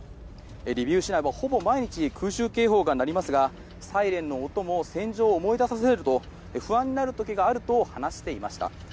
リビウ市内はほぼ毎日空襲警報が鳴りますがサイレンの音も戦場を思い出させると不安になる時があると話していました。